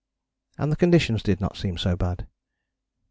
And the conditions did not seem so bad.